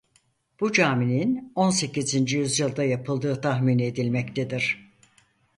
Bu caminin on sekizinci yüzyılda yapıldığı tahmin edilmektedir.